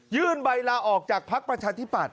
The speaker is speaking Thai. ยื่นใบลาออกจากพักประชาธิบัติ